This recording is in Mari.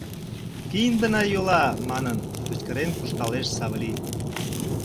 — Киндына йӱла! — манын, кычкырен куржталеш Савли.